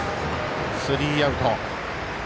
スリーアウト。